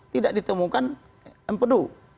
tidak ditemukan empedu